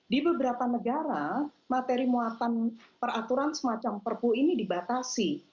di beberapa negara materi muatan peraturan semacam perpu ini dibatasi